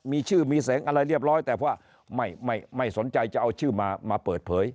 มีชื่อมีแสงอะไรเรียบร้อยแต่ว่าไม่สนใจจะเอาชื่อมาเปิดเผย